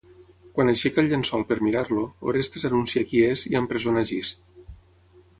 Quan aixeca el llençol per mirar-lo, Orestes anuncia qui és i empresona Egist.